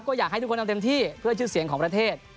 ก็อยากให้ทุกคนทำเต็มที่เพื่อชื่อเสียงของประเทศ